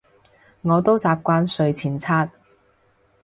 我都習慣睡前刷